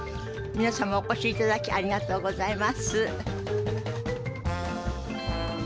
皆様お越しいただきありがとうございます。